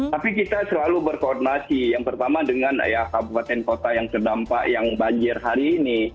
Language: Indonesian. tapi kita selalu berkoordinasi yang pertama dengan kabupaten kota yang terdampak yang banjir hari ini